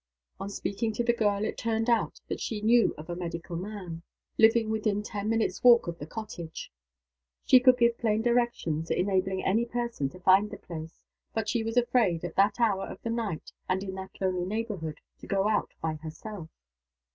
On speaking to the girl, it turned out that she knew of a medical man, living within ten minutes' walk of the cottage. She could give plain directions enabling any person to find the place but she was afraid, at that hour of the night and in that lonely neighborhood, to go out by herself.